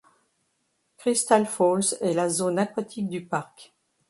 Crystal Falls est la zone aquatique du parc.